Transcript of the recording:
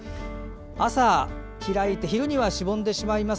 朝開いて昼には、しぼんでしまいます。